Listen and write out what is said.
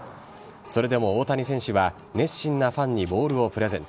それでも大谷選手は熱心なファンにボールをプレゼント。